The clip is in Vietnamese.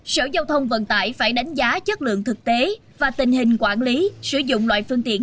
sở giao thông vận tải phải đánh giá chất lượng thực tế và tình hình quản lý sử dụng loại phương tiện